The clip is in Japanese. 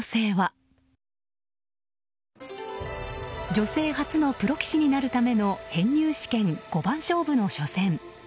女性初のプロ棋士になるための編入試験五番勝負の初戦。